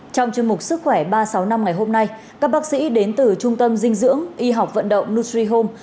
trong chương mục sức khỏe ba trăm sáu mươi năm ngày hôm nay các bác sĩ đến từ trung tâm dinh dưỡng y học vận động luxe home